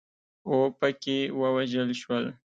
اوپکي ووژل شول.